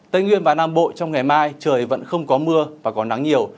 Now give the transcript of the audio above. tây nguyên và nam bộ trong ngày mai trời vẫn không có mưa và còn nắng nhiều